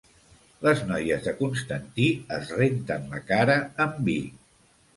Les noies de Constantí es renten la cara amb vi.